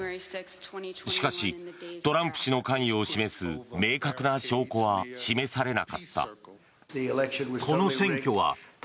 しかし、トランプ氏の関与を示す明確な証拠は示されなかった。